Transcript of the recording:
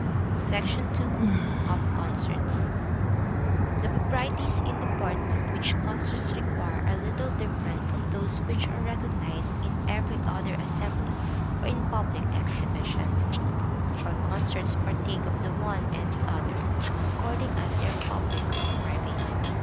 SECTION II. Of Concerts. The proprieties in deportment which concerts require, are little different from those which are recognized in every other assembly or in public exhibitions; for concerts partake of the one and the other, according as they are public or private.